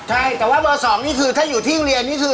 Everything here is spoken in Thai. ใช่แต่ว่าเบอร์๒นี่คือถ้าอยู่ที่โรงเรียนนี่คือ